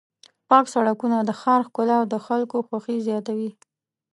پاک سړکونه د ښار ښکلا او د خلکو خوښي زیاتوي.